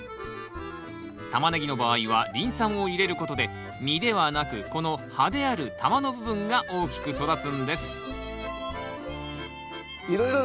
タマネギの場合はリン酸を入れることで実ではなくこの葉である球の部分が大きく育つんですいろいろ